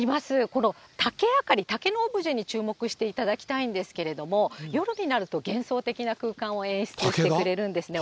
この竹あかり、竹のオブジェに注目していただきたいんですけれども、夜になると幻想的な空間を演出してくれるんですね。